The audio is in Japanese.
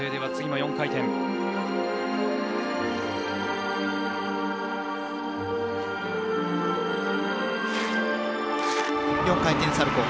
４回転サルコウ。